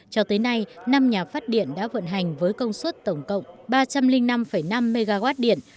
cho tới nay năm nhà phát điện đã vận hành với công suất tổng cộng ba trăm linh năm năm mw điện